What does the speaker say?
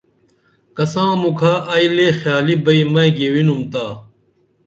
کساں مُکھہ ائی لے خیالی بئی میں گیوِنُمتا